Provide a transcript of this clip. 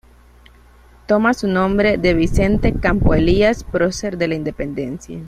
Toma su nombre de Vicente Campo Elías prócer de la independencia.